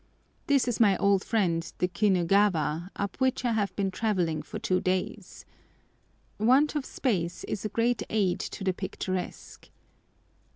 This is my old friend the Kinugawa, up which I have been travelling for two days. Want of space is a great aid to the picturesque.